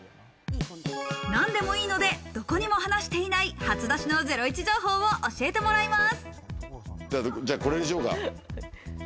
何でもいいのでどこにも話していない初出しのゼロイチ情報を教えてもらいます。